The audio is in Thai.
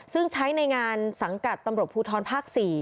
ซึ่งใช้ในงานสังกัดตำรวจภูทรภาค๔